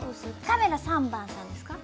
カメラ３番さんですか？